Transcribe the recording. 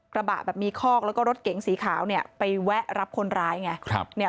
กระบะแบบมีคอกแล้วก็รถเก๋งสีขาวเนี่ยไปแวะรับคนร้ายไง